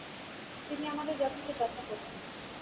তিনি আমাদের যথেষ্ট যত্ন করছেন।